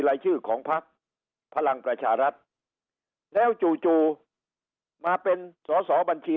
ลายชื่อของภักดิ์พลังประชารัฐแล้วจู่มาเป็นสสบัญชี